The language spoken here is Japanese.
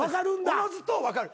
おのずと分かる。